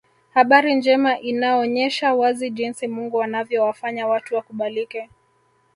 Habari njema inaonyesha wazi jinsi Mungu anavyowafanya watu wakubalike